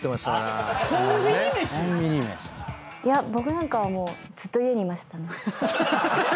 僕なんかはもうずっと家にいましたね。